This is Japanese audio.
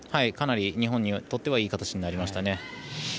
かなり、日本にとってはいい形になりました。